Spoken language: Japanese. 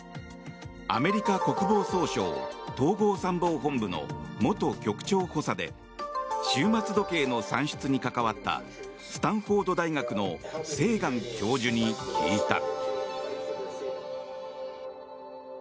アメリカ国防総省統合参謀本部の元局長補佐で終末時計の算出に関わったスタンフォード大学のセーガン教授に聞いた。